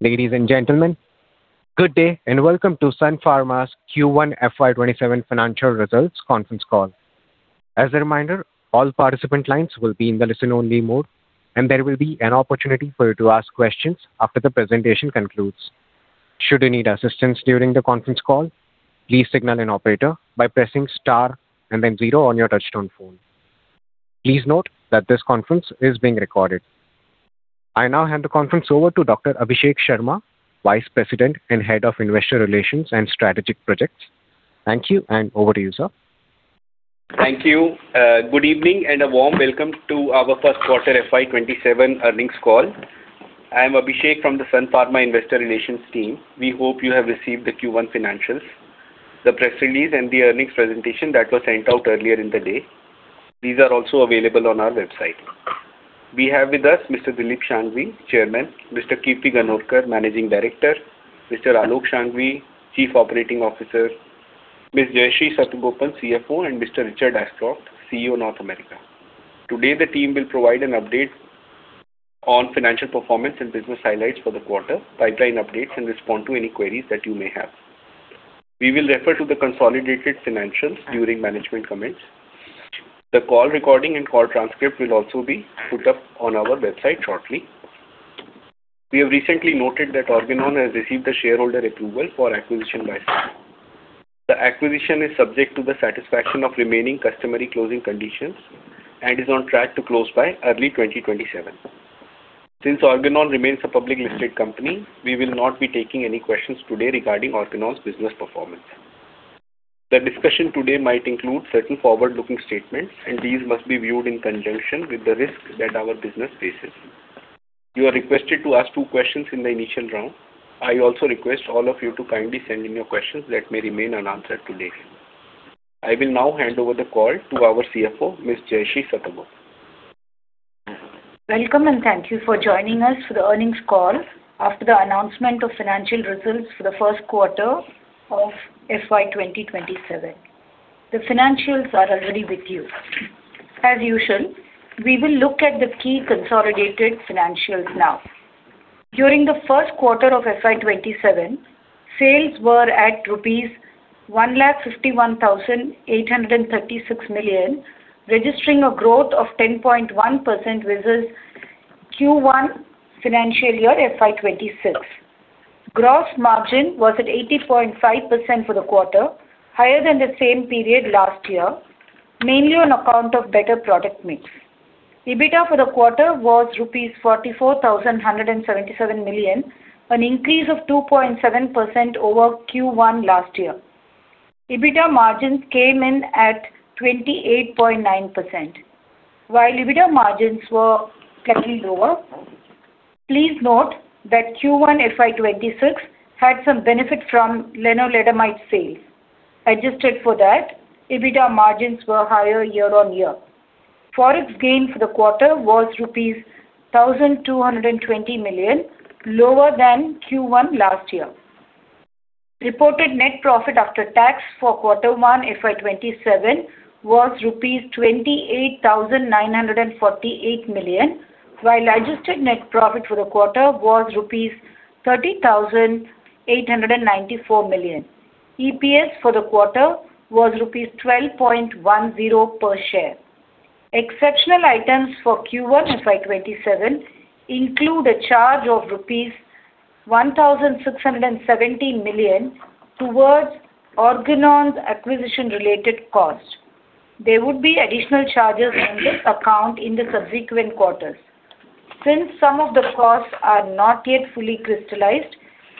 Ladies and gentlemen, good day and welcome to Sun Pharma's Q1 FY 2027 financial results conference call. As a reminder, all participant lines will be in the listen-only mode, and there will be an opportunity for you to ask questions after the presentation concludes. Should you need assistance during the conference call, please signal an operator by pressing star and then zero on your touchtone phone. Please note that this conference is being recorded. I now hand the conference over to Dr. Abhishek Sharma, Vice President and Head of Investor Relations and Strategic Projects. Thank you and over to you, sir. Thank you. Good evening and a warm welcome to our first-quarter FY 2027 earnings call. I am Abhishek from the Sun Pharma investor relations team. We hope you have received the Q1 financials, the press release, and the earnings presentation that was sent out earlier in the day. These are also available on our website. We have with us Mr. Dilip Shanghvi, Chairman, Mr. Kirti Ganorkar, Managing Director, Mr. Aalok Shanghvi, Chief Operating Officer, Ms. Jayashree Satagopan, CFO, and Mr. Richard Ascroft, CEO North America. Today, the team will provide an update on financial performance and business highlights for the quarter, pipeline updates, and respond to any queries that you may have. We will refer to the consolidated financials during management comments. The call recording and call transcript will also be put up on our website shortly. We have recently noted that Organon has received the shareholder approval for the acquisition by Sun. The acquisition is subject to the satisfaction of remaining customary closing conditions and is on track to close by early 2027. Since Organon remains a publicly listed company, we will not be taking any questions today regarding Organon's business performance. The discussion today might include certain forward-looking statements, these must be viewed in conjunction with the risks that our business faces. You are requested to ask two questions in the initial round. I also request all of you to kindly send in your questions that may remain unanswered today. I will now hand over the call to our CFO, Ms. Jayashree Satagopan. Welcome and thank you for joining us for the earnings call after the announcement of financial results for the first quarter of FY 2027. The financials are already with you. As usual, we will look at the key consolidated financials now. During the first quarter of FY 2027, sales were at rupees 151,836 million, registering a growth of 10.1% versus Q1 financial year FY 2026. Gross margin was at 80.5% for the quarter, higher than the same period last year, mainly on account of better product mix. EBITDA for the quarter was rupees 44,177 million, an increase of 2.7% over Q1 last year. EBITDA margins came in at 28.9%, while EBITDA margins were slightly lower. Please note that Q1 FY 2026 had some benefit from lenalidomide sales. Adjusted for that, EBITDA margins were higher year-on-year. Forex gain for the quarter was rupees 1,220 million, lower than Q1 last year. Reported net profit after tax for Q1 FY 2027 was rupees 28,948 million, while adjusted net profit for the quarter was rupees 30,894 million. EPS for the quarter was rupees 12.10 per share. Exceptional items for Q1 FY 2027 include a charge of rupees 1,670 million towards Organon's acquisition-related cost. There would be additional charges on this account in the subsequent quarters. Since some of the costs are not yet fully crystallized,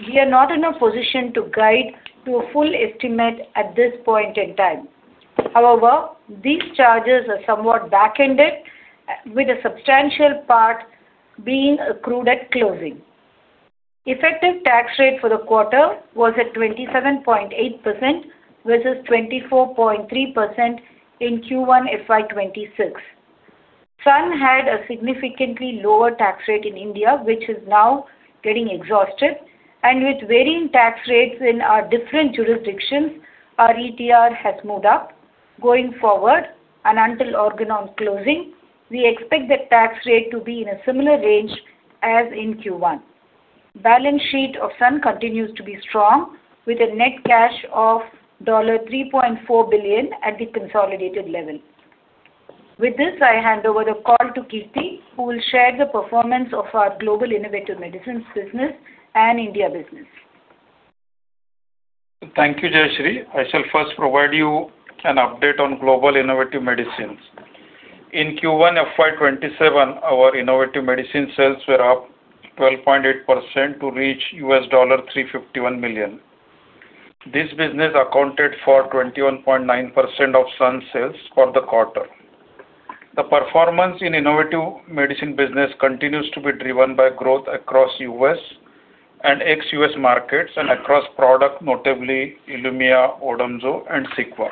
we are not in a position to guide to a full estimate at this point in time. However, these charges are somewhat back-ended, with a substantial part being accrued at closing. Effective tax rate for the quarter was at 27.8%, versus 24.3% in Q1 FY 2026. Sun had a significantly lower tax rate in India, which is now getting exhausted. With varying tax rates in our different jurisdictions, our ETR has moved up. Going forward, until Organon's closing, we expect the tax rate to be in a similar range as in Q1. Balance sheet of Sun continues to be strong, with net cash of $3.4 billion at the consolidated level. With this, I hand over the call to Kirti, who will share the performance of our global innovative medicines business and India business. Thank you, Jayashree. I shall first provide you an update on global innovative medicines. In Q1 FY 2027, our innovative medicine sales were up 12.8% to reach $351 million. This business accounted for 21.9% of Sun's sales for the quarter. The performance in innovative medicine business continues to be driven by growth across U.S. and ex-U.S. markets and across products, notably ILUMYA, Odomzo and CEQUA.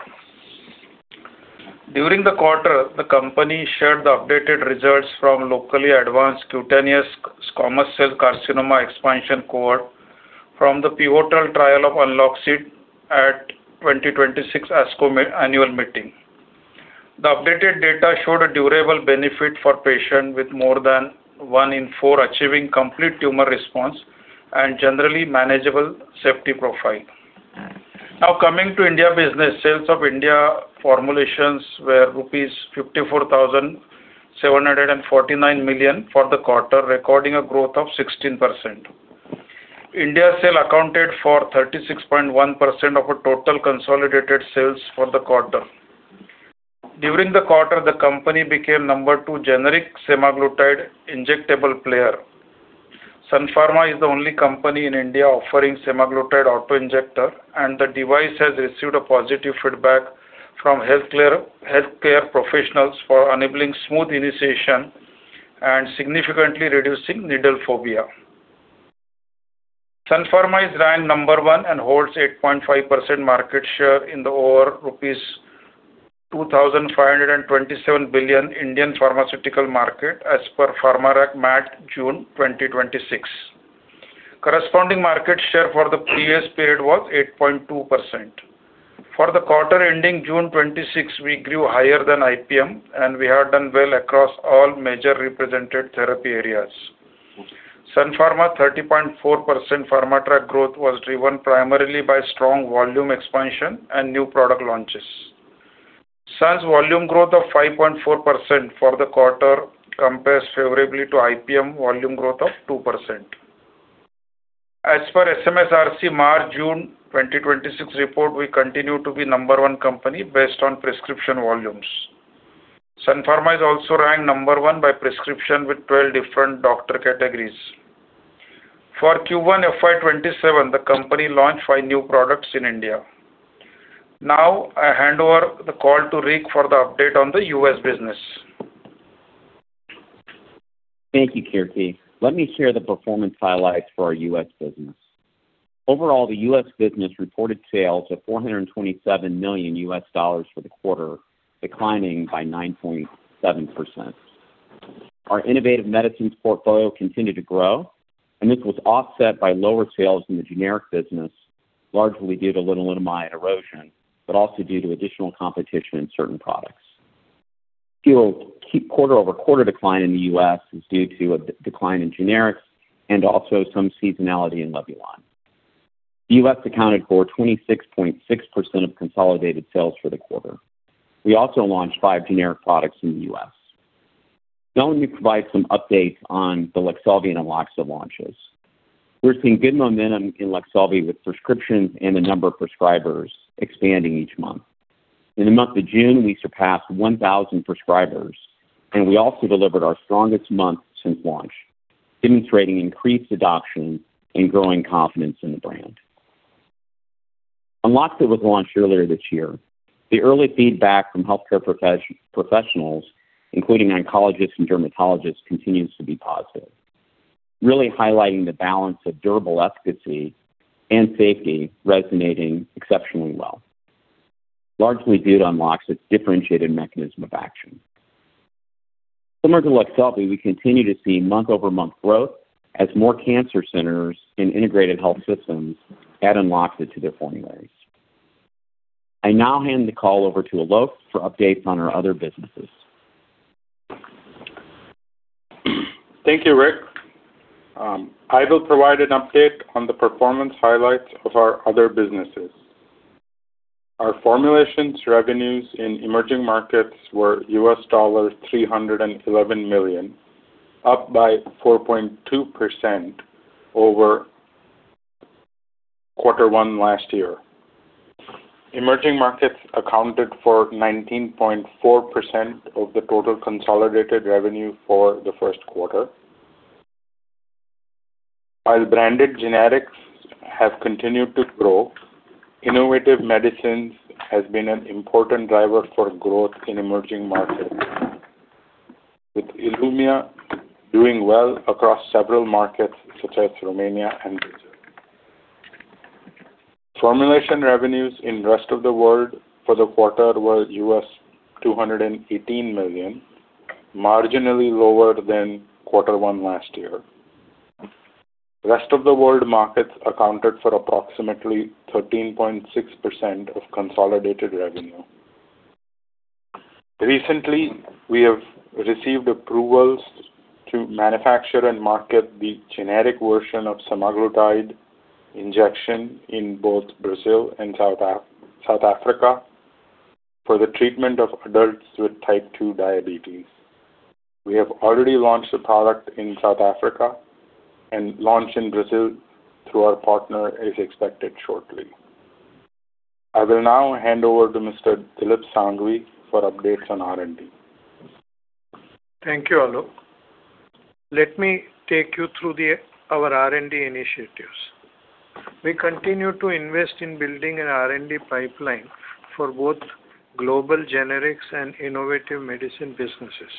During the quarter, the company shared the updated results from the locally advanced cutaneous squamous cell carcinoma expansion cohort from the pivotal trial of UNLOXCYT at the 2026 ASCO annual meeting. The updated data showed a durable benefit for patients, with more than one in four achieving complete tumor response and a generally manageable safety profile. Coming to India business. Sales of India formulations were rupees 54,749 million for the quarter, recording a growth of 16%. India sales accounted for 36.1% of our total consolidated sales for the quarter. During the quarter, the company became the number two generic semaglutide injectable player. Sun Pharma is the only company in India offering semaglutide auto-injector, and the device has received positive feedback from healthcare professionals for enabling smooth initiation and significantly reducing needle phobia. Sun Pharma is ranked number one and holds 8.5% market share in the over rupees 2,527 billion Indian pharmaceutical market as per PharmaTrac MAT, June 2026. Corresponding market share for the previous period was 8.2%. For the quarter ending June 2026, we grew higher than IPM. We have done well across all major represented therapy areas. Sun Pharma's 30.4% PharmaTrac growth was driven primarily by strong volume expansion and new product launches. Sun's volume growth of 5.4% for the quarter compares favorably to IPM volume growth of 2%. As per the SMSRC March, June 2026 report, we continue to be the number one company based on prescription volumes. Sun Pharma is also ranked number one by prescription with 12 different doctor categories. For Q1 FY 2027, the company launched five new products in India. I hand over the call to Rick for the update on the U.S. business. Thank you, Kirti. Let me share the performance highlights for our U.S. business. Overall, the U.S. business reported sales of $427 million for the quarter, declining by 9.7%. Our innovative medicines portfolio continued to grow, and this was offset by lower sales in the generic business, largely due to lenalidomide erosion, but also due to additional competition in certain products. QOQ decline in the U.S. is due to a decline in generics and also some seasonality in LEVULAN. The U.S. accounted for 26.6% of consolidated sales for the quarter. We also launched five generic products in the U.S. Let me provide some updates on the LEQSELVI and Odomzo launches. We're seeing good momentum in LEQSELVI with prescriptions and the number of prescribers expanding each month. In the month of June, we surpassed 1,000 prescribers, and we also delivered our strongest month since launch, demonstrating increased adoption and growing confidence in the brand. Odomzo was launched earlier this year. The early feedback from healthcare professionals, including oncologists and dermatologists, continues to be positive, really highlighting the balance of durable efficacy and safety resonating exceptionally well, largely due to Odomzo's differentiated mechanism of action. Similar to LEQSELVI, we continue to see month-over-month growth as more cancer centers and integrated health systems add Odomzo to their formularies. I hand the call over to Aalok for updates on our other businesses. Thank you, Rick. I will provide an update on the performance highlights of our other businesses. Our formulations revenues in emerging markets were $311 million, up by 4.2% over quarter one last year. Emerging markets accounted for 19.4% of the total consolidated revenue for the first quarter. While branded generics have continued to grow, innovative medicines has been an important driver for growth in emerging markets, with ILUMYA doing well across several markets such as Romania and Brazil. Formulation revenues in the rest of the world for the quarter were $218 million, marginally lower than quarter one last year. Rest of the world markets accounted for approximately 13.6% of consolidated revenue. Recently, we have received approvals to manufacture and market the generic version of semaglutide injection in both Brazil and South Africa for the treatment of adults with Type 2 diabetes. We have already launched the product in South Africa, and the launch in Brazil through our partner is expected shortly. I will now hand over to Mr. Dilip Shanghvi for updates on R&D. Thank you, Aalok. Let me take you through our R&D initiatives. We continue to invest in building an R&D pipeline for both global generics and innovative medicine businesses.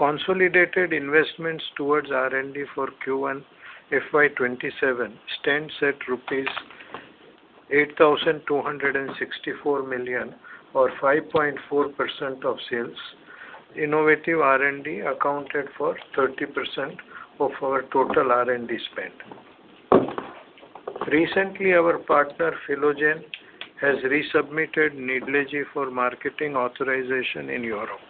Consolidated investments towards R&D for Q1 FY 2027 stand at 8,264 million rupees, or 5.4% of sales. Innovative R&D accounted for 30% of our total R&D spend. Recently, our partner, Philogen, has resubmitted Nidlegy for marketing authorization in Europe.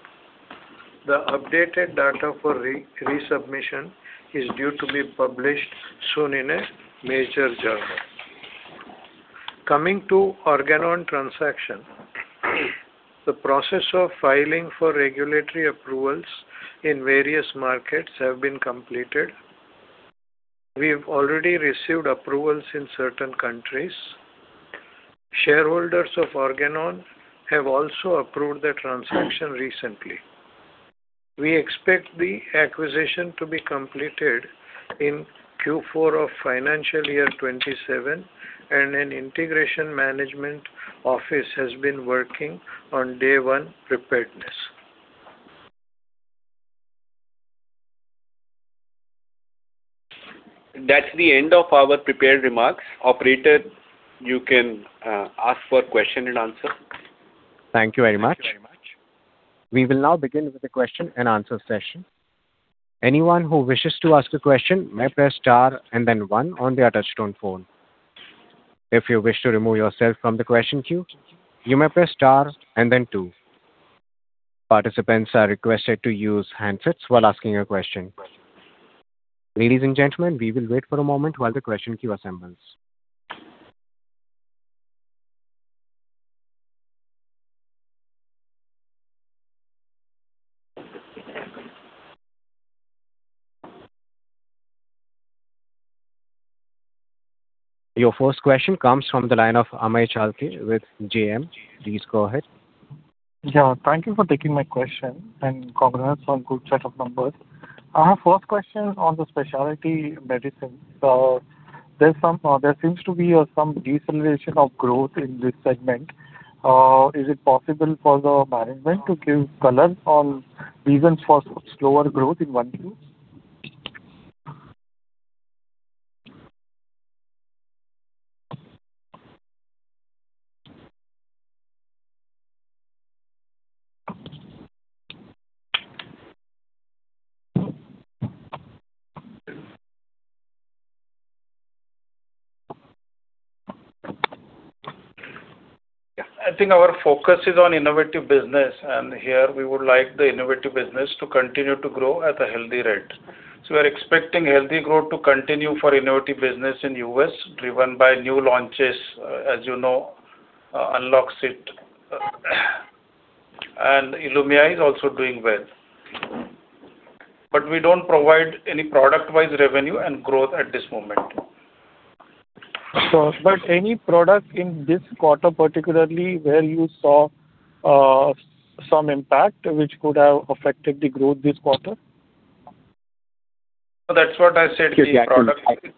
The updated data for resubmission is due to be published soon in a major journal. Coming to the Organon transaction, the process of filing for regulatory approvals in various markets have been completed. We have already received approvals in certain countries. Shareholders of Organon have also approved the transaction recently. We expect the acquisition to be completed in Q4 of financial year 2027, and an integration management office has been working on day-one preparedness. That's the end of our prepared remarks. Operator, you can ask for questions and answers. Thank you very much. We will now begin with the question-and-answer session. Anyone who wishes to ask a question may press star and then one on their touch-tone phone. If you wish to remove yourself from the question queue, you may press star and then two. Participants are requested to use handsets while asking a question. Ladies and gentlemen, we will wait for a moment while the question queue assembles. Your first question comes from the line of Amey Chalke with JM. Please go ahead. Yeah. Thank you for taking my question, and congrats on a good set of numbers. My first question is on specialty medicine. There seems to be some deceleration of growth in this segment. Is it possible for the management to give color on the reasons for slower growth in one view? I think our focus is on innovative business, and here we would like the innovative business to continue to grow at a healthy rate. We're expecting healthy growth to continue for innovative business in U.S., driven by new launches, as you know, UNLOXCYT and ILUMYA is also doing well. We don't provide any product-wise revenue and growth at this moment. Any product in this quarter, particularly where you saw some impact which could have affected the growth this quarter? That's what I said. Kirti, I can-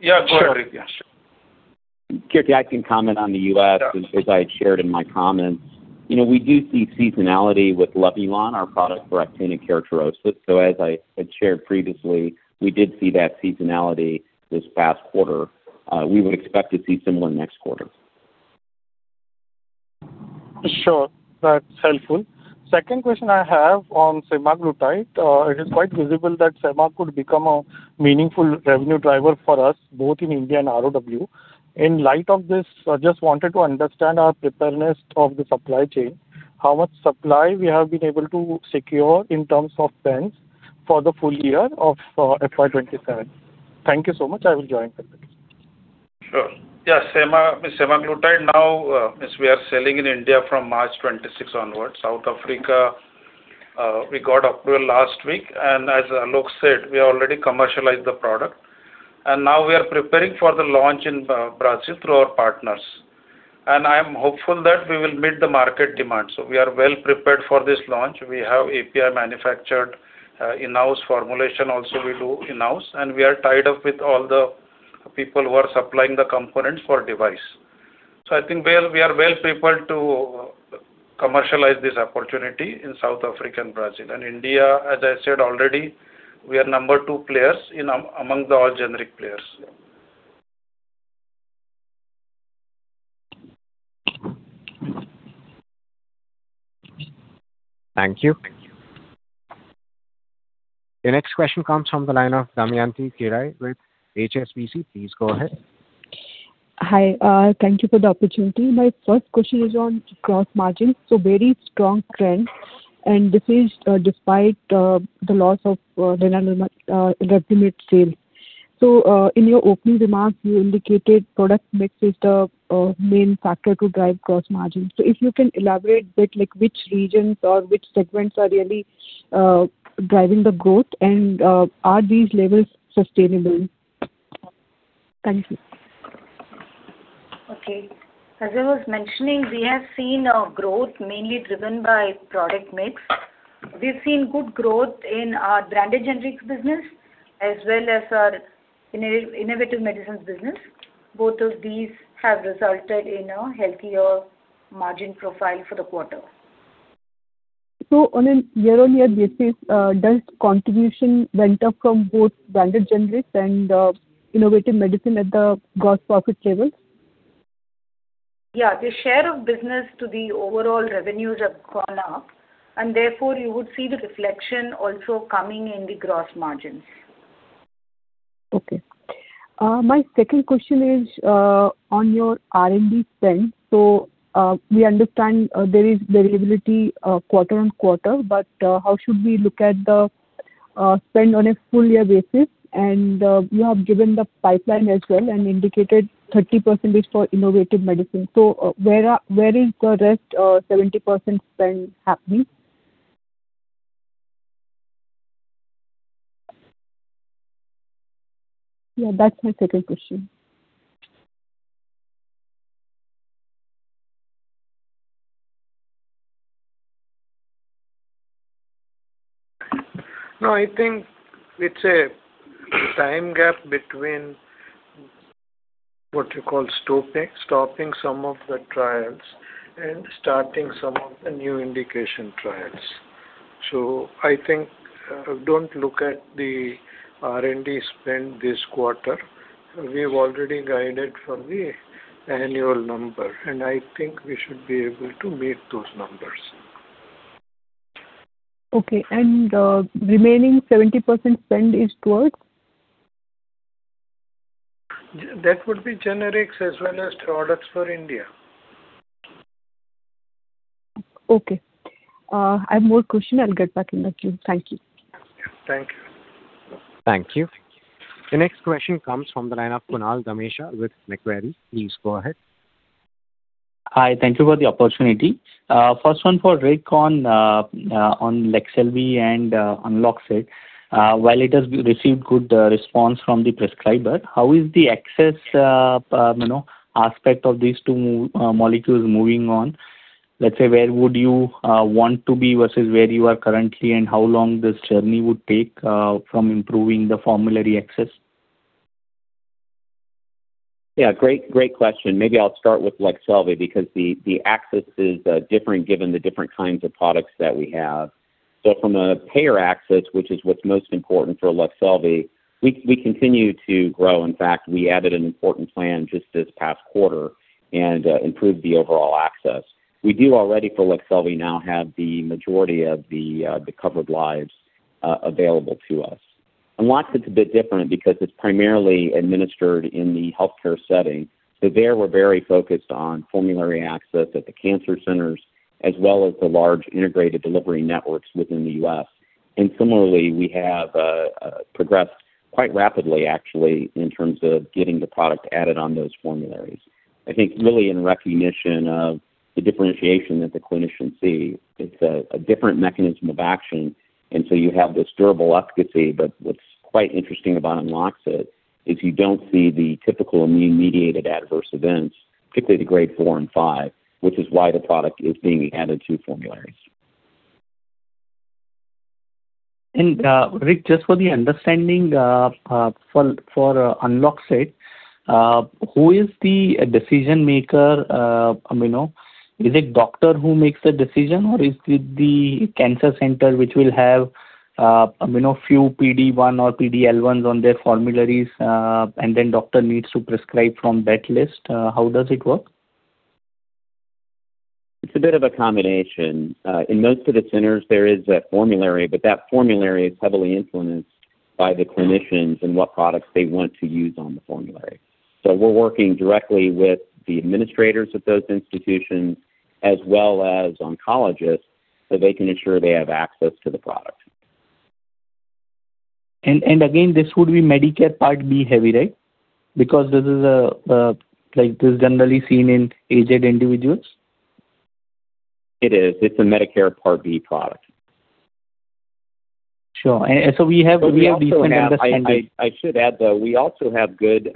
Yeah, go ahead. Sure. Kirti, I can comment on the U.S. As I had shared in my comments, we do see seasonality with LEVULAN, our product for actinic keratosis. As I had shared previously, we did see that seasonality this past quarter. We would expect to see similar next quarter. Sure. That's helpful. Second question I have on semaglutide. It is quite visible that sema could become a meaningful revenue driver for us, both in India and ROW. In light of this, I just wanted to understand our preparedness of the supply chain, how much supply we have been able to secure in terms of pens for the full year of FY 2027. Thank you so much. I will join. Sure. Yeah, semaglutide now, as we are selling in India from March 26 onwards. South Africa, we got approval last week, and as Aalok said, we already commercialized the product. Now we are preparing for the launch in Brazil through our partners. I am hopeful that we will meet the market demand. We are well prepared for this launch. We have API manufactured in-house formulation also we do in-house, and we are tied up with all the people who are supplying the components for the device. I think we are well prepared to commercialize this opportunity in South Africa and Brazil. India, as I said already, we are the number two player among all generic players. Thank you. The next question comes from the line of Damayanti Kerai with HSBC. Please go ahead. Hi. Thank you for the opportunity. My first question is on gross margin. Very strong trend, and this is despite the loss of lenalidomide sales. In your opening remarks, you indicated product mix is the main factor to drive gross margin. If you can elaborate a bit, like which regions or which segments are really driving the growth, and are these levels sustainable? Thank you. Okay. As I was mentioning, we have seen a growth mainly driven by product mix. We've seen good growth in our branded generics business as well as our innovative medicines business. Both of these have resulted in a healthier margin profile for the quarter. On a year-on-year basis, does contribution went up from both branded generics and innovative medicines at the gross profit level? The share of business to the overall revenues have gone up, and therefore you would see the reflection also coming in the gross margins. My second question is on your R&D spend. We understand there is variability quarter-on-quarter, but how should we look at the spend on a full-year basis? You have given the pipeline as well and indicated 30% for innovative medicine. Where is the rest of 70% spend happening? That's my second question. I think it's a time gap between what you call stopping some of the trials and starting some of the new indication trials. I think, don't look at the R&D spend this quarter. We've already guided for the annual number, and I think we should be able to meet those numbers. Okay. The remaining 70% spend is towards? That would be generics as well as products for India. Okay. I have more questions. I'll get back in the queue. Thank you. Thank you. Thank you. The next question comes from the line of Kunal Dhamesha with Macquarie. Please go ahead. Hi. Thank you for the opportunity. First one for Rick on LEQSELVI and UNLOXCYT. While it has received a good response from the prescriber, how is the access aspect of these two molecules moving on? Let's say, where would you want to be versus where you are currently, and how long this journey would take from improving the formulary access? Yeah, great question. Maybe I'll start with LEQSELVI, because the access is different given the different kinds of products that we have. From a payer access, which is what's most important for LEQSELVI, we continue to grow. In fact, we added an important plan just this past quarter and improved the overall access. We do already, for LEQSELVI, now have the majority of the covered lives available to us. UNLOXCYT's a bit different because it's primarily administered in the healthcare setting. There, we're very focused on formulary access at the cancer centers as well as the large integrated delivery networks within the U.S. Similarly, we have progressed quite rapidly, actually, in terms of getting the product added on those formularies. I think really in recognition of the differentiation that the clinicians see, it's a different mechanism of action; you have this durable efficacy. What's quite interesting about UNLOXCYT is you don't see the typical immune-mediated adverse events, particularly the Grade 4 and 5, which is why the product is being added to formularies. Rick, just for understanding, for UNLOXCYT, who is the decision-maker? Is it the doctor who makes the decision, or is it the cancer center which will have a few PD-1 or PD-L1s on their formularies, and then the doctor needs to prescribe from that list? How does it work? It's a bit of a combination. In most of the centers, there is a formulary, but that formulary is heavily influenced by the clinicians and what products they want to use on the formulary. We're working directly with the administrators of those institutions as well as oncologists so they can ensure they have access to the product. Again, this would be Medicare Part B heavy, right? Because this is generally seen in aged individuals. It is. It's a Medicare Part B product. Sure. We have- We also have-- I should add, though- we also have good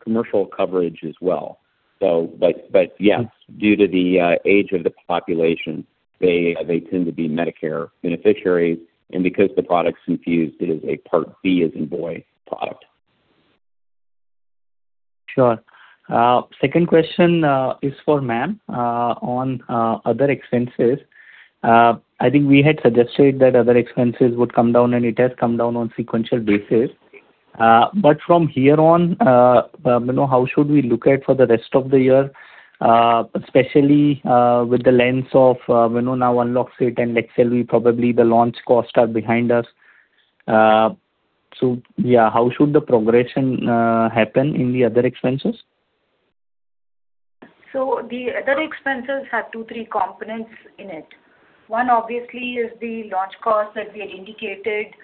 commercial coverage as well. Yes, due to the age of the population, they tend to be Medicare beneficiaries. Because the product's infused, it is a Part B, as in boy product. Sure. Second question is for ma'am. On other expenses, I think we had suggested that other expenses would come down, and it has come down on a sequential basis. From here on, how should we look at it for the rest of the year, especially with the lens of now UNLOXCYT and LEQSELVI; probably the launch costs are behind us. Yeah, how should the progression happen in the other expenses? The other expenses have two, three components in it. One obviously is the launch cost that we had indicated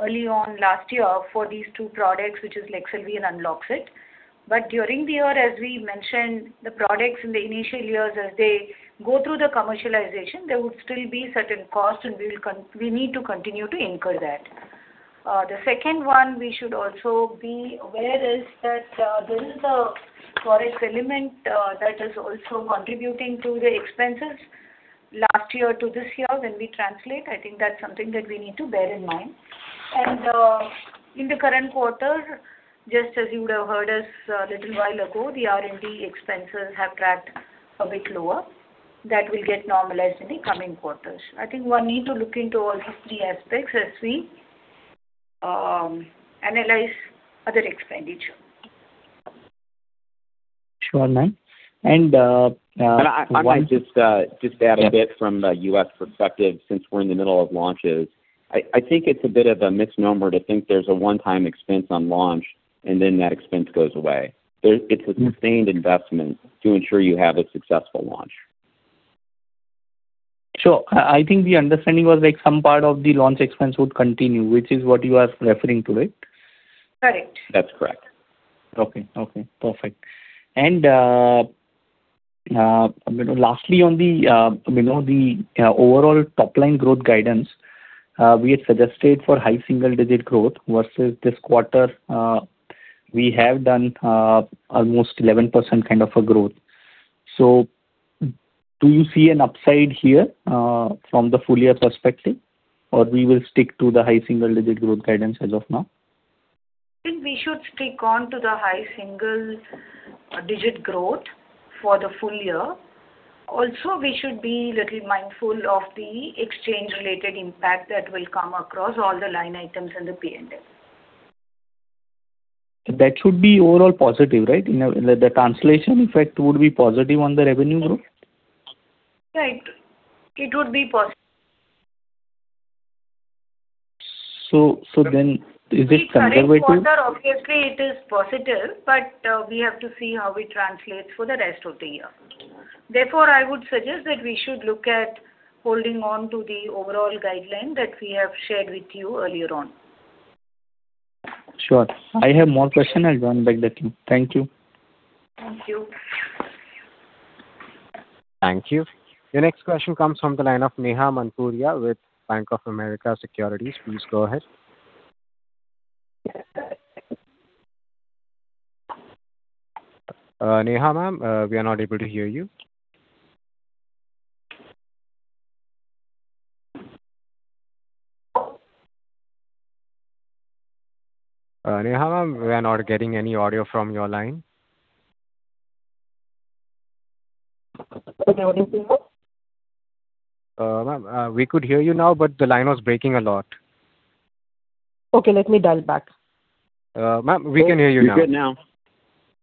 early on last year for these two products, which is LEQSELVI and UNLOXCYT. During the year, as we mentioned, the products in the initial years, as they go through commercialization, there would still be certain costs, and we need to continue to incur that. The second one we should also be aware is that there is a foreign element that is also contributing to the expenses last year to this year when we translate. I think that's something that we need to bear in mind. In the current quarter, just as you would have heard us a little while ago, the R&D expenses have tracked a bit lower. That will get normalized in the coming quarters. I think one needs to look into all these three aspects as we analyze other expenditure. Sure, ma'am. I might just add a bit from the U.S. perspective, since we're in the middle of launches. I think it's a bit of a misnomer to think there's a one-time expense on launch and then that expense goes away. It's a sustained investment to ensure you have a successful launch. Sure. I think the understanding was like some part of the launch expense would continue, which is what you are referring to, right? Correct. That's correct. Perfect. Lastly, on the overall top-line growth guidance, we had suggested for high single-digit growth versus this quarter; we have done almost 11% kind of growth. Do you see an upside here from the full-year perspective, or will we stick to the high single-digit growth guidance as of now? I think we should stick on to the high single-digit growth for the full year. Also, we should be a little mindful of the exchange-related impact that will come across all the line items in the P&L. That should be overall positive, right? The translation effect would be positive on the revenue growth? Right. It would be positive. So then is it quarter by quarter? The current quarter, obviously, it is positive, but we have to see how it translates for the rest of the year. Therefore, I would suggest that we should look at holding on to the overall guideline that we have shared with you earlier on. Sure. I have more questions. I'll join back the queue. Thank you. Thank you. Thank you. Your next question comes from the line of Neha Manpuria with Bank of America Securities. Please go ahead. Neha, ma'am, we are not able to hear you. Neha, ma'am, we are not getting any audio from your line. Okay. What did you say? Ma'am, we could hear you now; the line was breaking a lot. Okay, let me dial back. Ma'am, we can hear you now. We hear you now.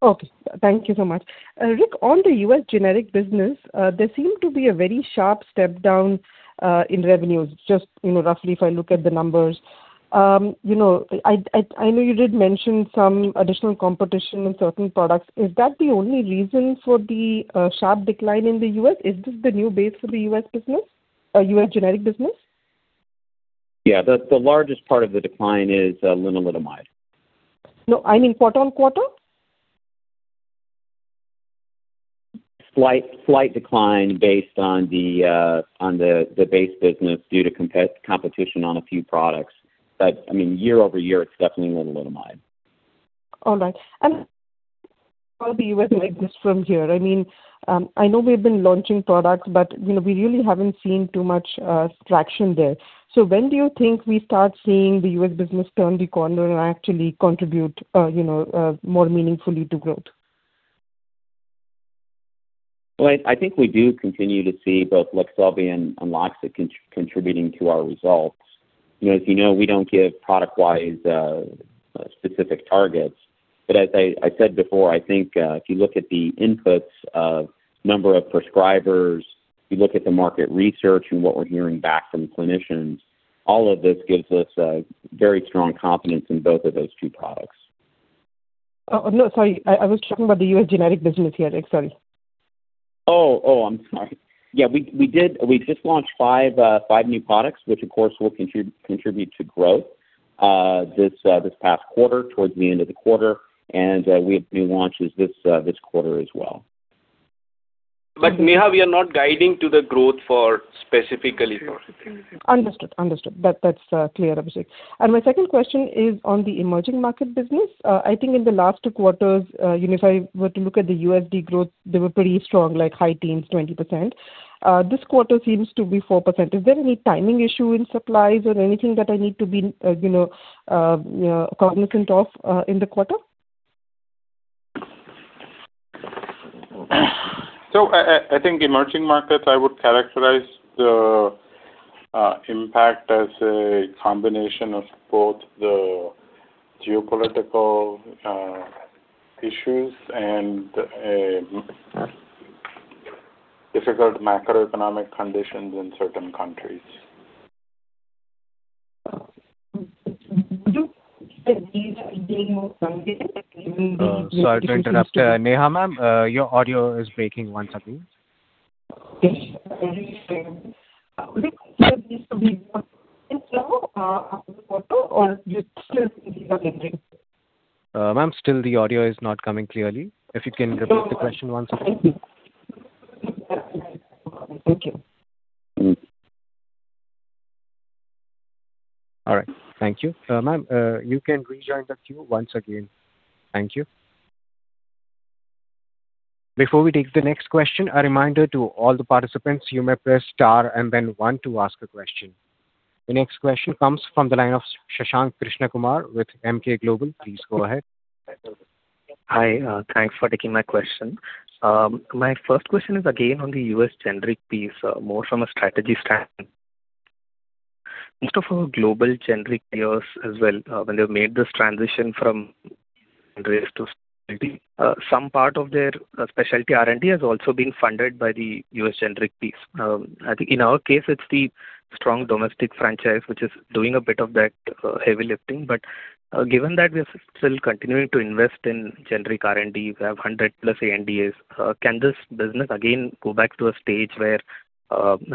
Okay. Thank you so much. Rick, on the U.S. generic business, there seems to be a very sharp step down in revenues, just roughly if I look at the numbers. I know you did mention some additional competition in certain products. Is that the only reason for the sharp decline in the U.S.? Is this the new base for the U.S. business or U.S. generic business? Yeah. The largest part of the decline is lenalidomide. No, I mean quarter-on-quarter. Slight decline based on the base business due to competition on a few products, but year-over-year, it's definitely lenalidomide. All right. How the U.S. might look from here. I know we've been launching products, but we really haven't seen too much traction there. When do you think we start seeing the U.S. business turn the corner and actually contribute more meaningfully to growth? I think we do continue to see both LEQSELVI and UNLOXCYT contributing to our results. As you know, we don't give product-wise specific targets. As I said before, I think if you look at the inputs of number of prescribers, you look at the market research, and what we're hearing back from clinicians, all of this gives us very strong confidence in both of those two products. Oh, no, sorry. I was talking about the U.S. generic business here, Rick. Sorry. Oh, I'm sorry. Yeah, we just launched five new products, which of course will contribute to growth this past quarter, towards the end of the quarter, and we have new launches this quarter as well. Neha, we are not guiding to the growth for specifically. Understood. That's clear, Abhishek. My second question is on the emerging market business. I think in the last two quarters, if I were to look at the USD growth, they were pretty strong, like high teens, 20%. This quarter seems to be 4%. Is there any timing issue in supplies or anything that I need to be cognizant of in the quarter? I think emerging markets, I would characterize the impact as a combination of both the geopolitical issues and difficult macroeconomic conditions in certain countries. Do you think these are being more competitive than maybe- Sorry to interrupt. Neha, ma'am, your audio is breaking once again. Yes. Would it be more this quarter, or do you still think you are getting Ma'am, the audio is still not coming clearly. If you can repeat the question once again. Thank you. All right. Thank you. Ma'am, you can rejoin the queue once again. Thank you. Before we take the next question, a reminder to all the participants: you may press star and then one to ask a question. The next question comes from the line of Shashank Krishnakumar with Emkay Global. Please go ahead. Hi. Thanks for taking my question. My first question is again on the U.S. generic piece, more from a strategy stand. Most of our global generic peers as well, when they've made this transition from generics to specialty, some part of their specialty R&D has also been funded by the U.S. generic piece. I think in our case it's the strong domestic franchise, which is doing a bit of that heavy lifting. Given that we're still continuing to invest in generic R&D, we have 100+ ANDAs. Can this business again go back to a stage where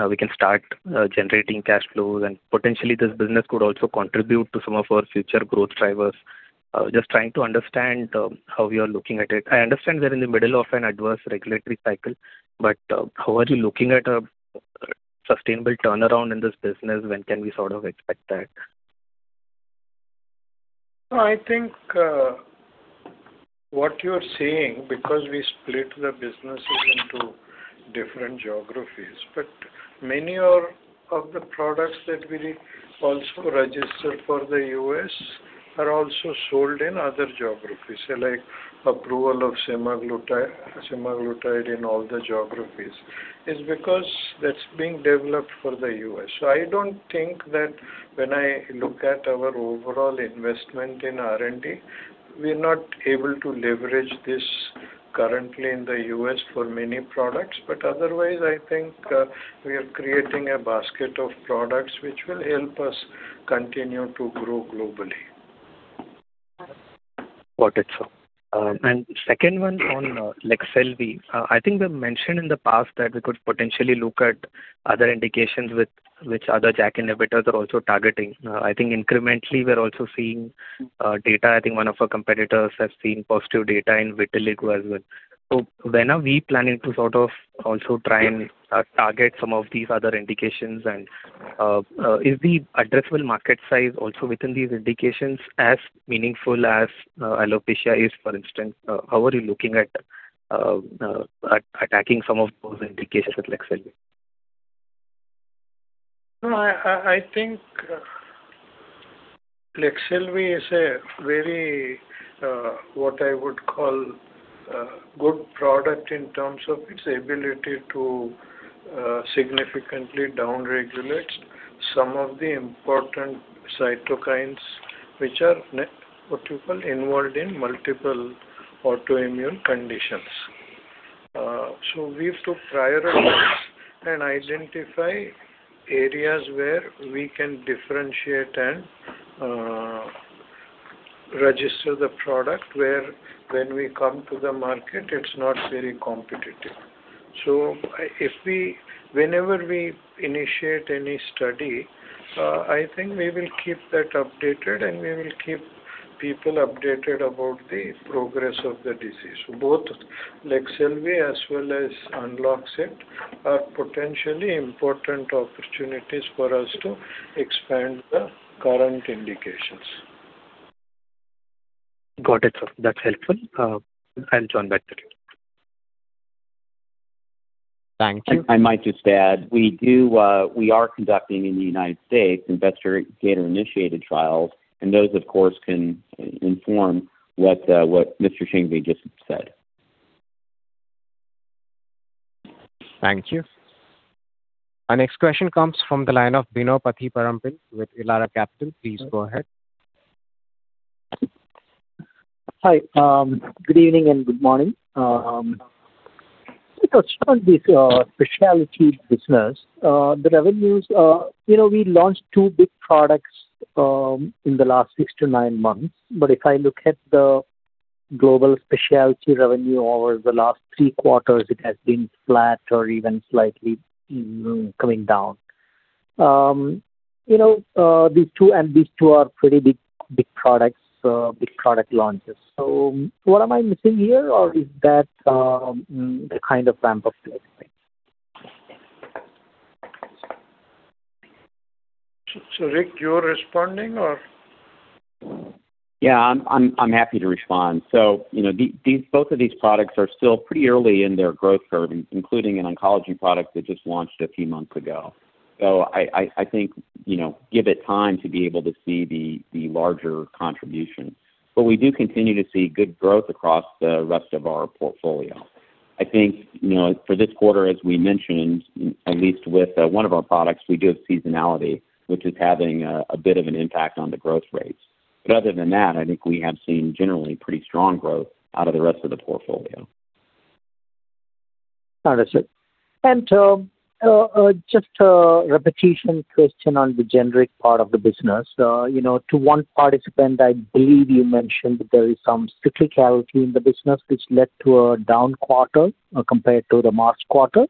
we can start generating cash flows, and potentially this business could also contribute to some of our future growth drivers? Just trying to understand how we are looking at it. I understand we're in the middle of an adverse regulatory cycle. How are you looking at a sustainable turnaround in this business? When can we sort of expect that? I think what you're saying because we split the businesses into different geographies. Many of the products that we also registered for the U.S. are also sold in other geographies, like approval of semaglutide in all the geographies. It's because that's being developed for the U.S. I don't think that when I look at our overall investment in R&D, we're not able to leverage this currently in the U.S. for many products. Otherwise, I think we are creating a basket of products which will help us continue to grow globally. Got it, sir. Second one on LEQSELVI. I think we mentioned in the past that we could potentially look at other indications which other JAK inhibitors are also targeting. I think incrementally we're also seeing data. I think one of our competitors has seen positive data in vitiligo as well. When are we planning to sort of also try and target some of these other indications and is the addressable market size also within these indications as meaningful as alopecia is, for instance? How are you looking at attacking some of those indications with LEQSELVI? I think LEQSELVI is a very, what I would call, good product in terms of its ability to significantly down-regulate some of the important cytokines which are involved in multiple autoimmune conditions. We've to prioritize and identify areas where we can differentiate and register the product, where, when we come to the market, it's not very competitive. Whenever we initiate any study, I think we will keep that updated, and we will keep people updated about the progress of the disease. Both LEQSELVI as well as UNLOXCYT are potentially important opportunities for us to expand the current indications. Got it, sir. That's helpful. I'll join back. Thank you. I might just add, we are conducting investigator-initiated trials in the U.S., and those of course can inform what Mr. Shanghvi just said. Thank you. Our next question comes from the line of Bino Pathiparampil with Elara Capital. Please go ahead. Hi. Good evening and good morning. Just on the specialty business, the revenues. We launched two big products in the last six to nine months, but if I look at the global specialty revenue over the last three quarters, it has been flat or even slightly coming down. These two are pretty big product launches. What am I missing here? Is that the kind of ramp-up to expect? Rick, you're responding or? Yeah, I'm happy to respond. Both of these products are still pretty early in their growth curves, including an oncology product that just launched a few months ago. I think, give it time to be able to see the larger contribution. We do continue to see good growth across the rest of our portfolio. I think for this quarter, as we mentioned, at least with one of our products, we do have seasonality, which is having a bit of an impact on the growth rates. Other than that, I think we have seen generally pretty strong growth out of the rest of the portfolio. Understood. Just a repetition question on the generic part of the business. To one participant, I believe you mentioned that there is some cyclicality in the business which led to a down quarter compared to the March quarter.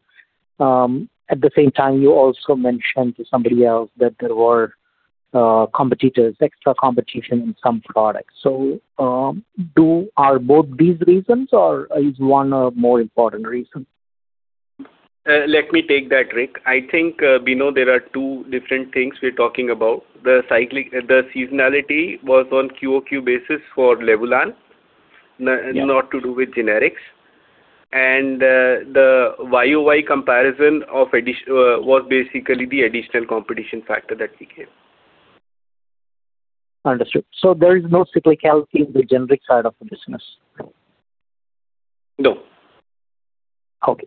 At the same time, you also mentioned to somebody else that there were extra competition in some products. Are both these reasons, or is one a more important reason? Let me take that, Rick. I think, Bino, there are two different things we're talking about. The seasonality was on a QOQ basis for LEVULAN. Yeah. Not to do with generics. The YOY comparison was basically the additional competition factor that we gave. Understood. There is no cyclicality in the generic side of the business? No. Okay.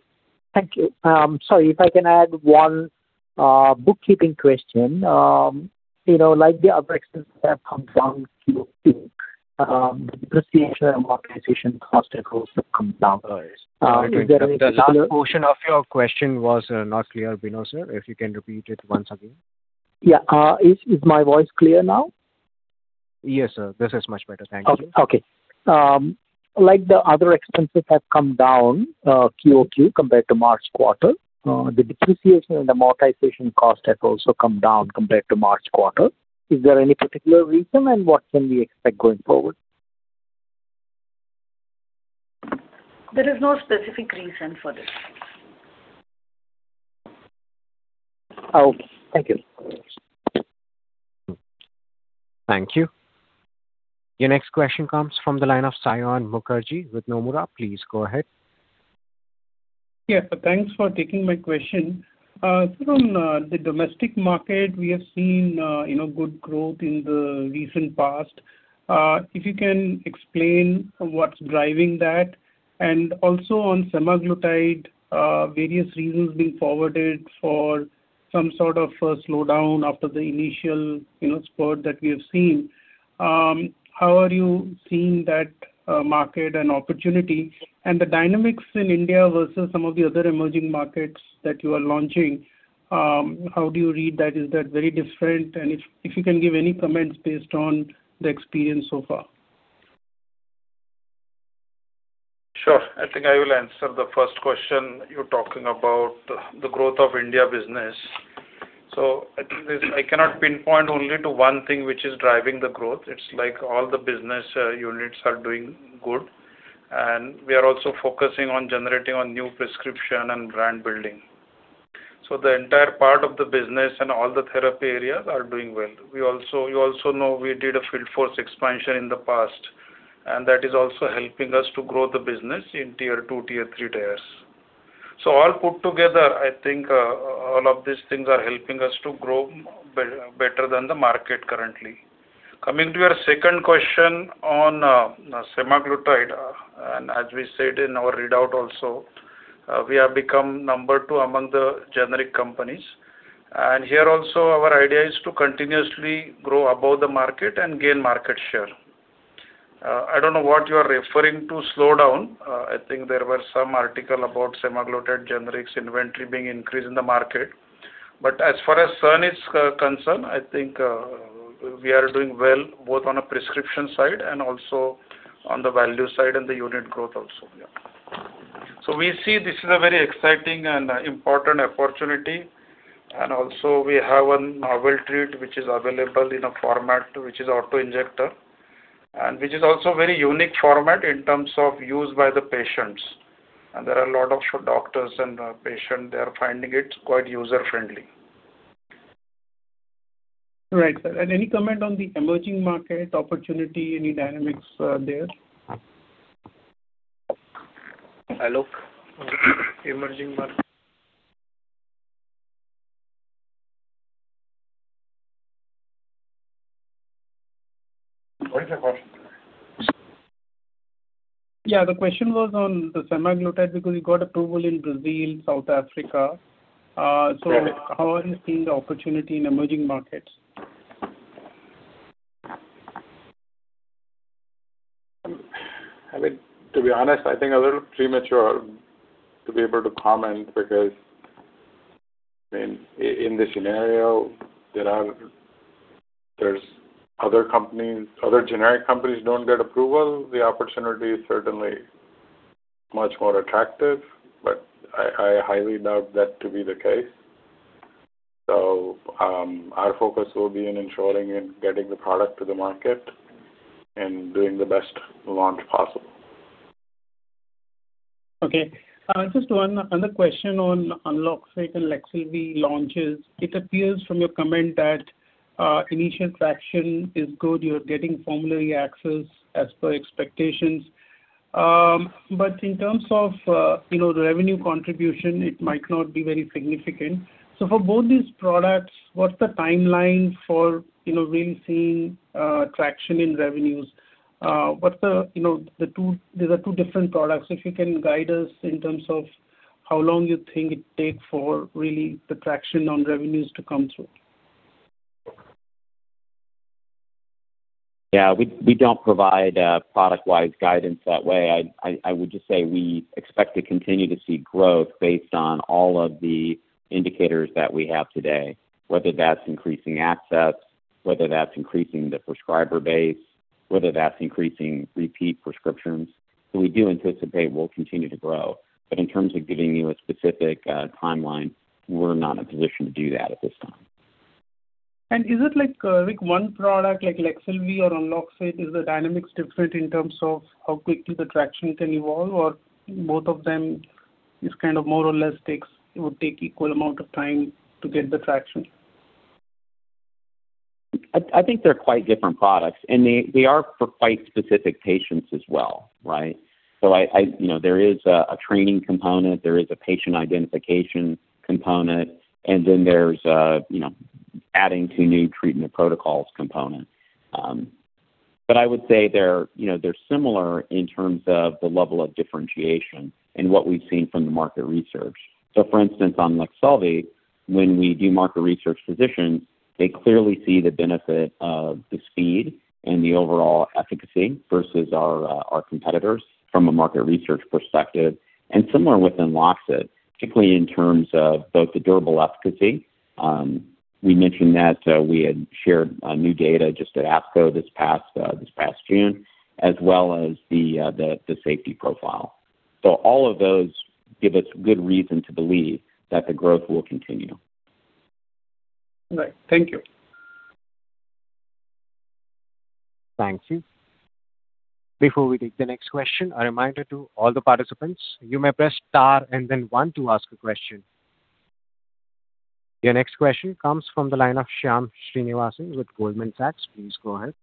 Thank you. Sorry, if I can add one bookkeeping question. Like the other expenses have come down QOQ, the depreciation amortization cost has also come down. Is there any particular. The last portion of your question was not clear, Bino, sir. If you can repeat it once again. Yeah. Is my voice clear now? Yes, sir. This is much better. Thank you. Okay. Like the other expenses have come down QOQ compared to the March quarter, the depreciation and amortization cost have also come down compared to the March quarter. Is there any particular reason, and what can we expect going forward? There is no specific reason for this. Okay. Thank you. Thank you. Your next question comes from the line of Saion Mukherjee with Nomura. Please go ahead. Yeah. Thanks for taking my question. Sir, on the domestic market, we have seen good growth in the recent past. If you can explain what's driving that, and also on semaglutide, various reasons are being forwarded for some sort of a slowdown after the initial spurt that we have seen. How are you seeing that market and opportunity, and the dynamics in India versus some of the other emerging markets that you are launching? How do you read that? Is that very different? And if you can give any comments based on the experience so far. Sure. I think I will answer the first question. You're talking about the growth of the India business. I think I cannot pinpoint only to one thing which is driving the growth. It's like all the business units are doing good, and we are also focusing on generating on new prescriptions and brand building. The entire part of the business and all the therapy areas are doing well. You also know we did a field force expansion in the past, and that is also helping us to grow the business in Tier 2, Tier 3. All put together, I think all of these things are helping us to grow better than the market currently. Coming to your second question on semaglutide. As we said in our readout also, we have become number two among the generic companies. Here also our idea is to continuously grow above the market and gain market share. I don't know what you are referring to slowdown. I think there were some articles about semaglutide generics inventory being increased in the market. As far as Sun is concerned, I think we are doing well, both on a prescription side and also on the value side, and the unit growth also, yeah. We see this is a very exciting and important opportunity, and also we have a novel treatment which is available in a format which is an auto-injector, and which is also a very unique format in terms of use by the patients. There are a lot of doctors and patient, they are finding it quite user-friendly. Right, sir. Any comment on the emerging market opportunity? Any dynamics there? Aalok? Emerging market. What is the question? The question was on semaglutide because it got approval in Brazil, South Africa. Yeah. How are you seeing the opportunity in emerging markets? I mean, to be honest, I think a little premature to be able to comment because in this scenario there's other generic companies don't get approval, the opportunity is certainly much more attractive, but I highly doubt that to be the case. Our focus will be in ensuring in getting the product to the market and doing the best launch possible. Okay. Just one other question on UNLOXCYT and LEQSELVI launches. It appears from your comment that initial traction is good. You're getting formulary access as per expectations. In terms of the revenue contribution, it might not be very significant. For both these products, what's the timeline for really seeing traction in revenues? These are two different products. If you can guide us in terms of how long you think it takes for really the traction on revenues to come through. Yeah. We don't provide product-wise guidance that way. I would just say we expect to continue to see growth based on all of the indicators that we have today, whether that's increasing access, whether that's increasing the prescriber base, whether that's increasing repeat prescriptions. We do anticipate we'll continue to grow. In terms of giving you a specific timeline, we're not in a position to do that at this time. Is it like one product, like LEQSELVI or UNLOXCYT, is the dynamics different in terms of how quickly the traction can evolve, or both of them just kind of more or less it would take equal amount of time to get the traction? I think they're quite different products, and they are for quite specific patients as well, right? There is a training component, there is a patient identification component, and then there's an adding two new treatment protocols component. I would say they're similar in terms of the level of differentiation and what we've seen from the market research. For instance, on LEQSELVI, when we do market research physicians, they clearly see the benefit of the speed and the overall efficacy versus our competitors from a market research perspective, and similar with UNLOXCYT, particularly in terms of both the durable efficacy. We mentioned that we had shared new data just at ASCO this past June, as well as the safety profile. All of those give us good reason to believe that the growth will continue. Right. Thank you. Thank you. Before we take the next question, a reminder to all the participants: you may press star and then one to ask a question. Your next question comes from the line of Shyam Srinivasan with Goldman Sachs. Please go ahead.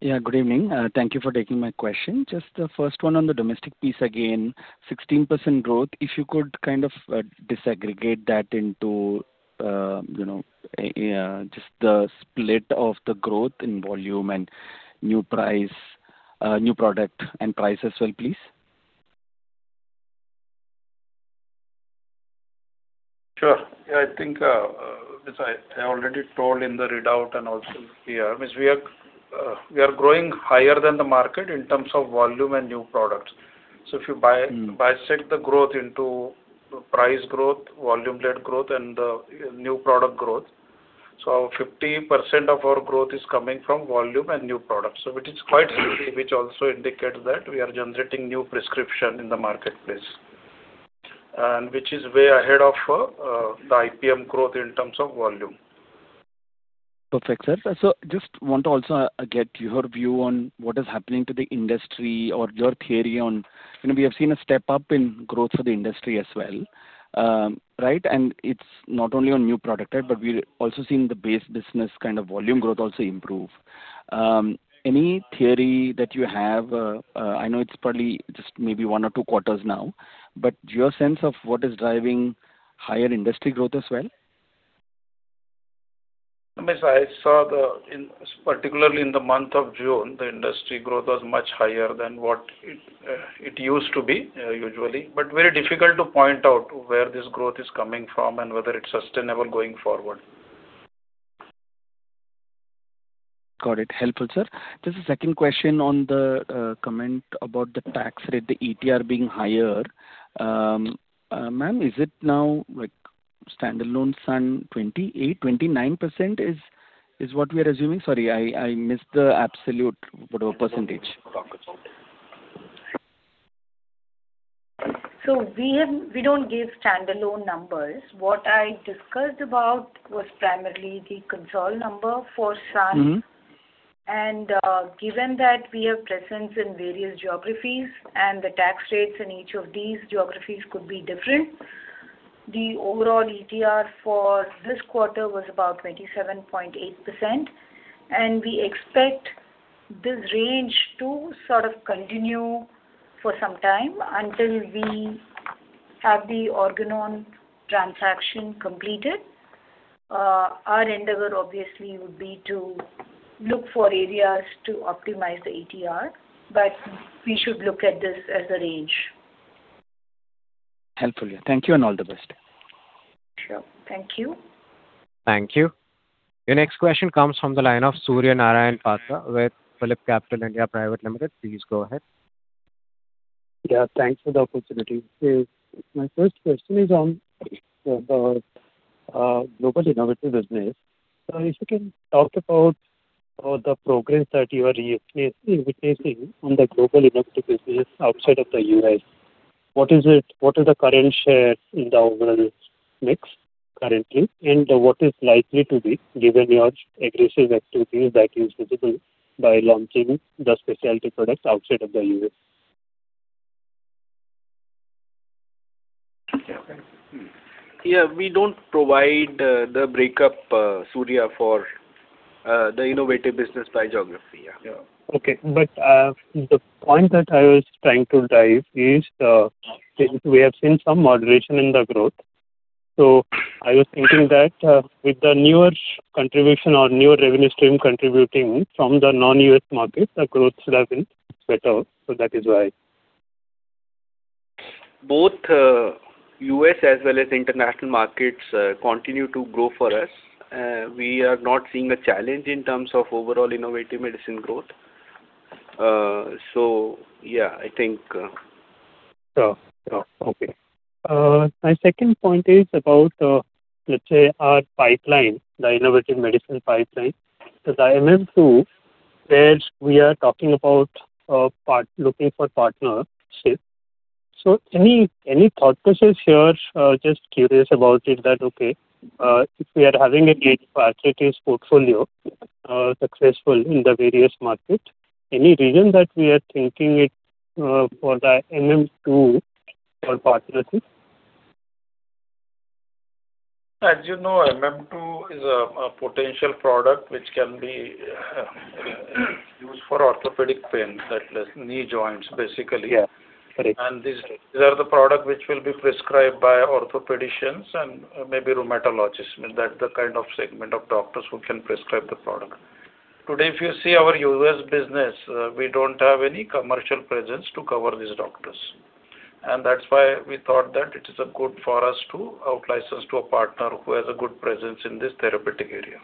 Yeah, good evening. Thank you for taking my question. Just the first one on the domestic piece again, 16% growth. If you could kind of disaggregate that into just the split of the growth in volume and new product and price as well, please. Sure. Yeah, I think as I already told you in the readout and also here, it means we are growing higher than the market in terms of volume and new products. If you bisect the growth into price growth, volume-led growth, and new product growth. 60% of our growth is coming from volume and new products, which is quite healthy, which also indicates that we are generating new prescriptions in the marketplace, and which is way ahead of the IPM growth in terms of volume. Perfect, sir. Just want to also get your view on what is happening to the industry or your theory on. We have seen a step-up in growth for the industry as well. Right? It's not only on new products, but we're also seeing the base business volume growth also improve. Any theory that you have? I know it's probably just maybe one or two quarters now, but your sense of what is driving higher industry growth as well? I saw, particularly in the month of June, the industry growth was much higher than what it used to be usually. Very difficult to point out where this growth is coming from and whether it's sustainable going forward. Got it. Helpful, sir. Just a second question on the comment about the tax rate, the ETR being higher. Ma'am, is it now like standalone Sun 28%, 29% is what we are assuming? Sorry, I missed the absolute percentage. We don't give standalone numbers. What I discussed about was primarily the consolidated number for Sun. Given that we have presence in various geographies and the tax rates in each of these geographies could be different, the overall ETR for this quarter was about 27.8%, and we expect this range to sort of continue for some time until we have the Organon transaction completed. Our endeavor obviously would be to look for areas to optimize the ETR, we should look at this as a range. Helpful, yeah. Thank you, and all the best. Sure. Thank you. Thank you. Your next question comes from the line of Surya Narayan Patra with PhillipCapital India Private Limited. Please go ahead. Yeah, thanks for the opportunity. My first question is on the global innovative business. If you can talk about the progress that you are witnessing on the global innovative business outside of the U.S., what is the current share in the overall mix currently, and what is likely to be, given your aggressive activities that is visible by launching the specialty products outside of the U.S.? Yeah, we don't provide the breakup, Surya, for the innovative business by geography. Okay. The point that I was trying to drive is, we have seen some moderation in the growth. I was thinking that with the newer contribution or newer revenue stream contributing from the non-U.S. markets, the growth should have been better. That is why. Both U.S. as well as international markets continue to grow for us. We are not seeing a challenge in terms of overall innovative medicine growth. Yeah, I think Sure. Okay. My second point is about, let's say our pipeline, the innovative medicine pipeline. The MM-II, where we are talking about looking for a partnership. Any thought process here? Just curious about it that, okay, if we are having a late arthritis portfolio, successful in the various markets, any reason that we are thinking it for the MM-II for partnership? As you know, MM-II is a potential product which can be used for orthopedic pain, that is knee joints, basically. Yeah. These are the products which will be prescribed by orthopedicians and maybe rheumatologists: that's the kind of segment of doctors who can prescribe the product. Today, if you see our U.S. business, we don't have any commercial presence to cover these doctors. That's why we thought that it is good for us to out-license to a partner who has a good presence in this therapeutic area.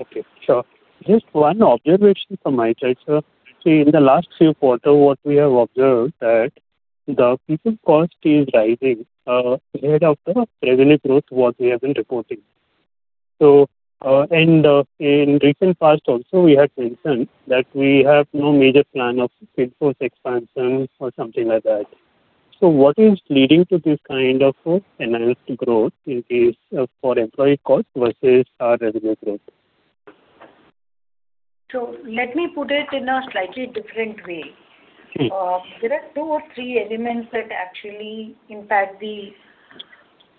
Okay, sure. Just one observation from my side, sir. See, in the last few quarters, what we have observed is that the people cost is rising ahead of the revenue growth what we have been reporting. In the recent past also, we had mentioned that we have no major plan of workforce expansion or something like that. What is leading to this kind of a enhanced growth for employee cost versus our revenue growth? Let me put it in a slightly different way. There are two or three elements that actually impact the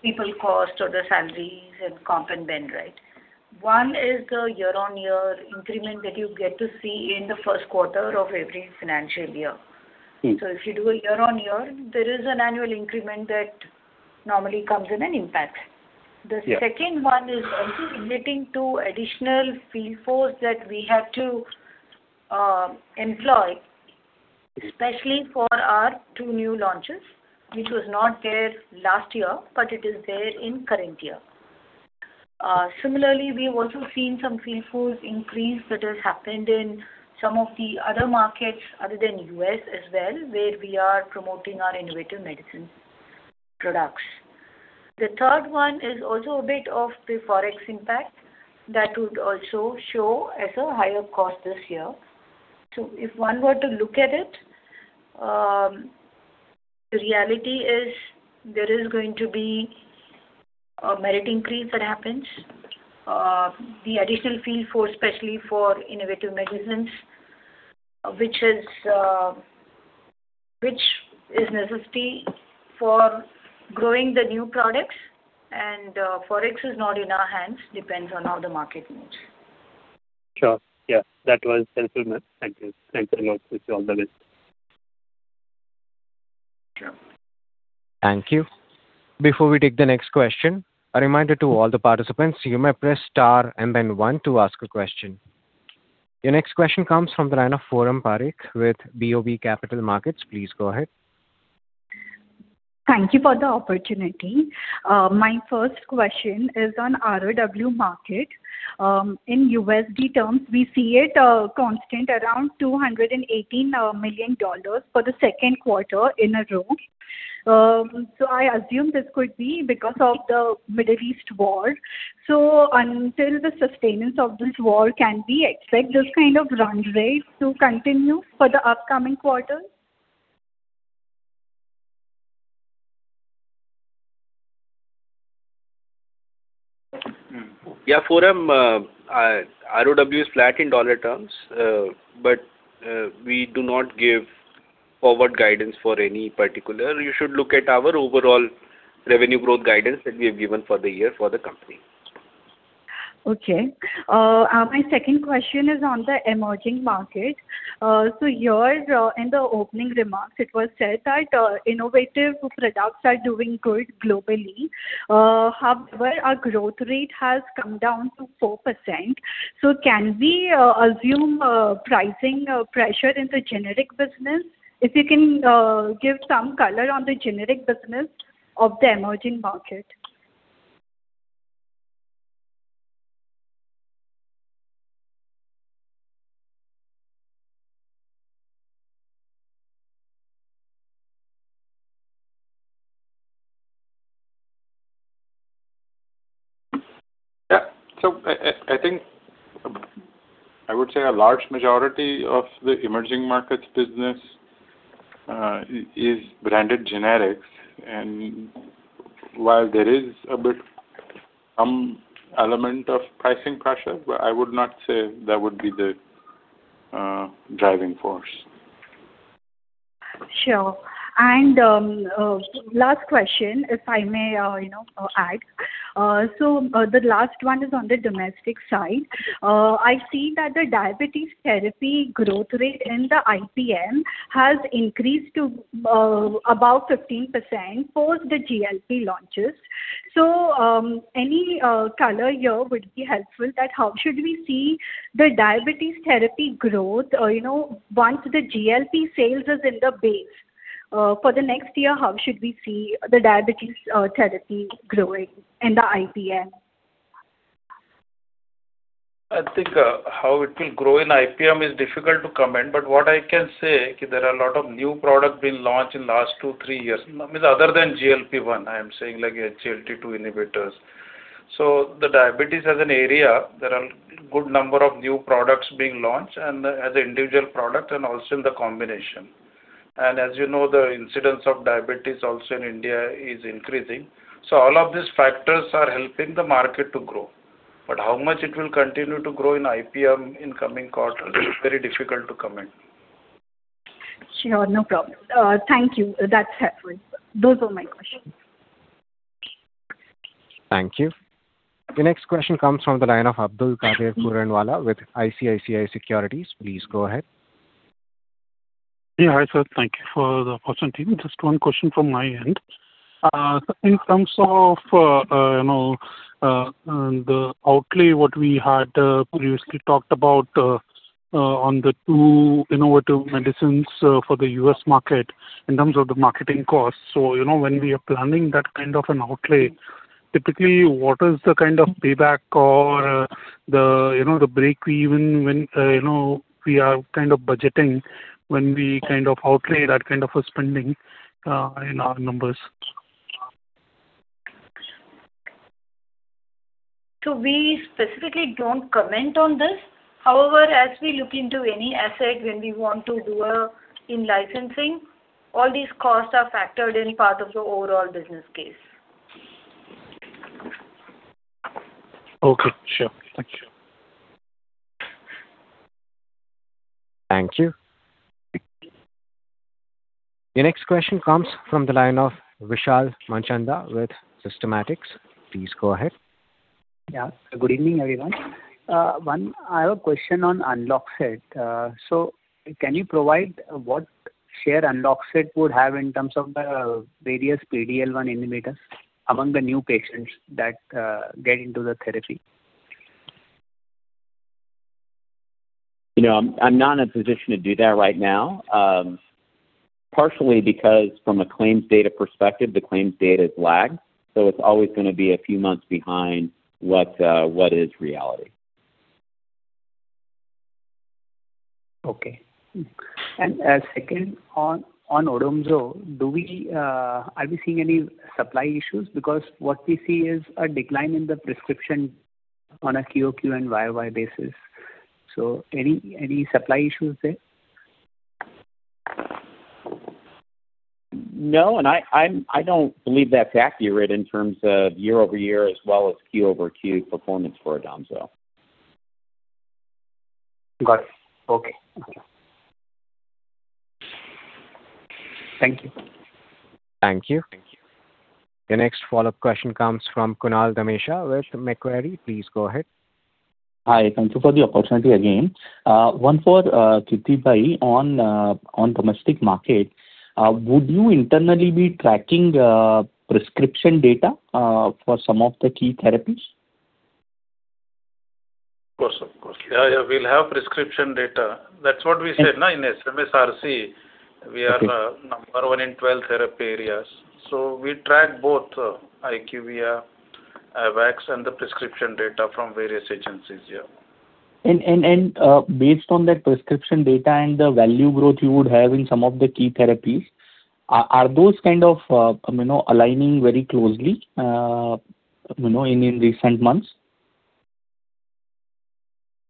people cost or the salaries and comp and ben. One is the year-on-year increment that you get to see in the first quarter of every financial year. If you do a year-on-year, there is an annual increment that normally comes in an impact. Yeah. The second one is also relating to additional field force that we have to employ, especially for our two new launches, which was not there last year, but it is there in the current year. Similarly, we have also seen some field force increase that has happened in some of the other markets other than the U.S. as well, where we are promoting our innovative medicine products. The third one is also a bit of the Forex impact that would also show as a higher cost this year. If one were to look at it, the reality is, there is going to be a merit increase that happens. The additional field force, especially for innovative medicines, which is a necessity for growing the new products, and Forex is not in our hands, depends on how the market moves. Sure. Yeah. That was helpful, ma'am. Thank you. Thanks a lot. It's on the list. Sure. Thank you. Before we take the next question, a reminder to all the participant:, you may press star and then one to ask a question. Your next question comes from the line of Foram Parekh with BOB Capital Markets. Please go ahead. Thank you for the opportunity. My first question is on the ROW market. In USD terms, we see it constant around $218 million for the second quarter in a row. I assume this could be because of the Middle East war. Until the sustenance of this war, can we expect this kind of run rate to continue for the upcoming quarters? Yeah, Foram, ROW is flat in dollar terms. We do not give forward guidance for any particular. You should look at our overall revenue growth guidance that we have given for the year for the company. My second question is on the emerging market. Here in the opening remarks, it was said that innovative products are doing good globally. However, our growth rate has come down to 4%. Can we assume pricing pressure in the generic business? If you can give some color on the generic business of the emerging market. Yeah. I think I would say a large majority of the emerging markets business is branded generics, and while there is some element of pricing pressure, I would not say that would be the driving force. Sure. Last question, if I may add. The last one is on the domestic side. I see that the diabetes therapy growth rate in the IPM has increased to about 15% post the GLP launches. Any color here would be helpful that how we should see the diabetes therapy growth once the GLP sales is in the base. For the next year, how should we see the diabetes therapy growing in the IPM? I think how it will grow in IPM is difficult to comment, but what I can say, there are a lot of new products being launched in the last two, three years. Other than GLP-1, I am saying, like SGLT2 inhibitors. In the diabetes as an area, there are a good number of new products being launched, and as individual products and also in combination. As you know, the incidence of diabetes in India is also increasing. All of these factors are helping the market to grow. How much it will continue to grow in IPM in the coming quarter is very difficult to comment. Sure, no problem. Thank you. That's helpful. Those were my questions. Thank you. The next question comes from the line of Abdulkader Puranwala with ICICI Securities. Please go ahead. Yeah. Hi, sir. Thank you for the opportunity. Just one question from my end. In terms of the outlay what we had previously talked about on the two innovative medicines for the U.S. market in terms of the marketing costs? When we are planning that kind of an outlay, typically, what is the kind of payback or the breakeven when we are budgeting when we outlay that kind of spending in our numbers? We specifically don't comment on this. However, as we look into any asset when we want to do an in-licensing, all these costs are factored in part of the overall business case. Okay, sure. Thank you. Thank you. The next question comes from the line of Vishal Manchanda with Systematix. Please go ahead. Yeah. Good evening, everyone. One, I have a question on Enoxaparin. Can you provide what share Enoxaparin would have in terms of the various PD-L1 inhibitors among the new patients that get into the therapy? I'm not in a position to do that right now. Partially because, from a claims data perspective, the claims data is lagged, it's always going to be a few months behind what is reality. Okay. Second, on Odomzo, are we seeing any supply issues? Because what we see is a decline in the prescription on a QOQ and YOY basis. Any supply issues there? No, I don't believe that's accurate in terms of year-over-year as well as Q-over-Q performance for Odomzo. Got it. Okay. Thank you. Thank you. The next follow-up question comes from Kunal Dhamesha with Macquarie. Please go ahead. Hi. Thank you for the opportunity again. One for Kirti on the domestic market. Would you internally be tracking prescription data for some of the key therapies? Of course. Yeah, we'll have prescription data. That's what we said in SMSRC: we are number one in 12 therapy areas. We track both IQVIA, IVAX, and the prescription data from various agencies, yeah. Based on that prescription data and the value growth you would have in some of the key therapies, are those kind of aligning very closely in recent months?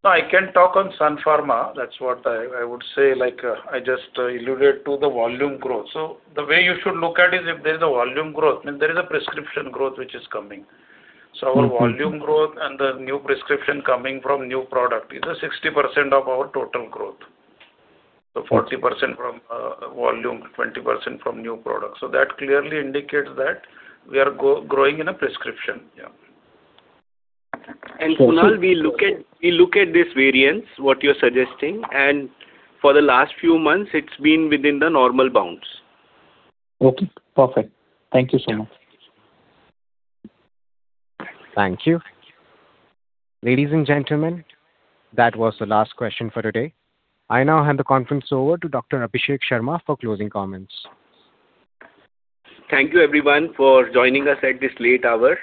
No, I can talk on Sun Pharma. That's what I would say, I just alluded to the volume growth. The way you should look at it is if there is a volume growth, there is a prescription growth which is coming. Our volume growth and the new prescriptions coming from the new product is 60% of our total growth. 40% from volume, 20% from new product. That clearly indicates that we are growing in prescriptions. Yeah. Kunal, we look at this variance, what you're suggesting, and for the last few months, it's been within the normal bounds. Okay, perfect. Thank you so much. Thank you. Ladies and gentlemen, that was the last question for today. I now hand the conference over to Dr. Abhishek Sharma for closing comments. Thank you, everyone, for joining us at this late hour.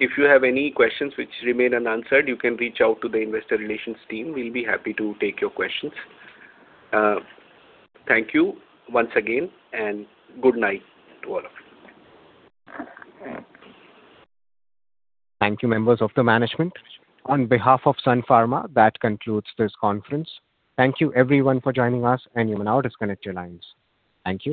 If you have any questions which remain unanswered, you can reach out to the investor relations team. We'll be happy to take your questions. Thank you once again, and good night to all of you. Thank you, members of the management. On behalf of Sun Pharma, that concludes this conference. Thank you, everyone, for joining us, and you may now disconnect your lines. Thank you.